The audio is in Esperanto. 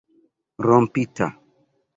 rompita